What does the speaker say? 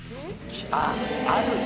あっあるな。